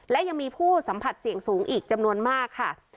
และยังมีผู้สัมผัสเสี่ยงสูงอีกจำนวนมากค่ะ